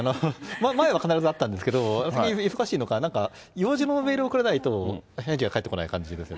前は必ずあったんですけど、最近忙しいのか、用事のメールを送らないと返事が返ってこない感じですね。